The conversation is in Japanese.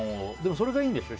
それがいいんでしょ？